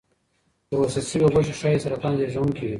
پروسس شوې غوښې ښایي سرطان زېږونکي وي.